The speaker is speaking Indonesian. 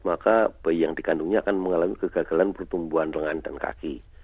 maka bayi yang dikandungnya akan mengalami kegagalan pertumbuhan lengan dan kaki